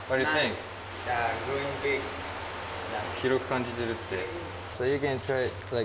広く感じてるって。